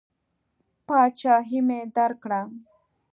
پاچهي مې درکړه.